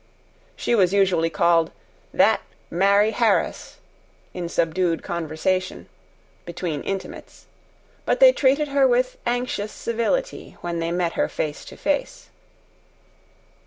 She was usually called "that Mari' Harris" in subdued conversation between intimates, but they treated her with anxious civility when they met her face to face.